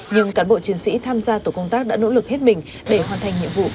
nhưng cán bộ chiến sĩ tham gia tổ công tác đã nỗ lực hết mình để hoàn thành nhiệm vụ